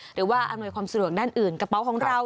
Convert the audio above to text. หรือว่าอำนวยความสะดวกด้านอื่นกระเป๋าของเรา